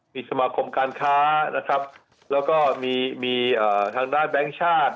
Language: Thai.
มีสมาคมการค้านะครับแล้วก็มีทางด้านแบงค์ชาติ